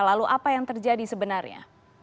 lalu apa yang terjadi sebenarnya